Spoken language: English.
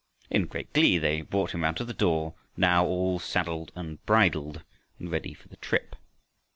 In great glee they brought him round to the door now, "all saddled and bridled" and ready for the trip.